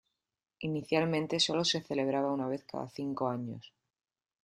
Inicialmente sólo se celebraba una vez cada cinco años.